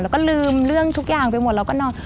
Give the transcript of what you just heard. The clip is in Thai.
แล้วก็ลืมเรื่องทุกอย่างไปหมดแล้วก็นอน